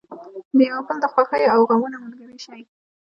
د یو بل د خوښیو او غمونو ملګري شئ.